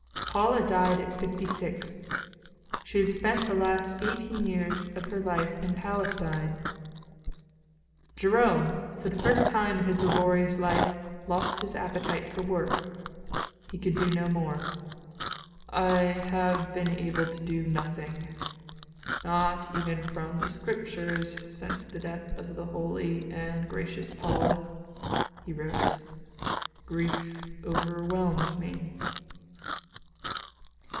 Paula died at fifty six. She had spent the last eighteen years of her life in Palestine. Jerome, for the first time in his laborious life, lost his appetite for work. He could do no more. "I have been able to do nothing, not even from the Scriptures, since the death of the holy and gracious Paula," he wrote. "Grief overwhelms me."